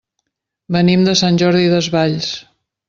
Venim de Sant Jordi Desvalls.